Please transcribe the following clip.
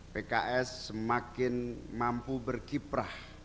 pks semakin mampu berkiprah